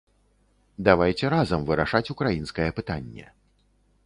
Давайце разам вырашаць украінскае пытанне.